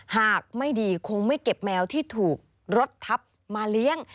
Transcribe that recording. หากไม่ดีคงไม่เก็บแมวที่ถูกรถทับมาเลี้ยง